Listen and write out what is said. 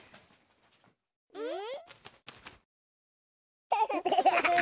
うん？